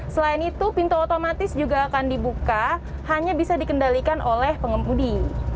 selain itu pintu otomatis juga akan dibuka hanya bisa dikendalikan oleh pengemudi